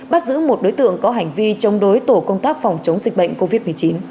bắt giữ một đối tượng có hành vi chống đối tổ công tác phòng chống dịch bệnh covid một mươi chín